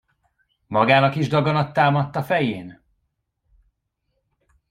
Magának is daganat támadt a fején?